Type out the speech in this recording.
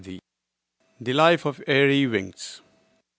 162 THE LIFE OF AIRY WINGS.